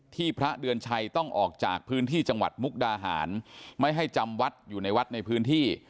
พระเดือนชัยต้องออกจากพื้นที่จังหวัดมุกดาหารไม่ให้จำวัดอยู่ในวัดในพื้นที่